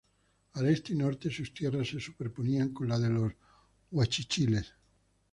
Al este y norte sus tierras se superponían con la de los Guachichiles.